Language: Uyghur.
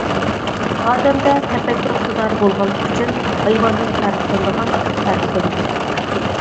ئادەمدە تەپەككۇر ئىقتىدار بولغانلىقى ئۈچۈن، ھايۋاندىن پەرقلىنىدىغان پەرقلىنىدۇ.